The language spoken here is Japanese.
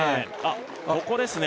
ここですね